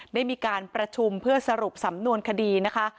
ได้มีการประชุมเพื่อสรุปสำนวนคดีนะคะ